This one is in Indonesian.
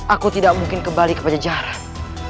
aku tidak mungkin kembali ke pajajaran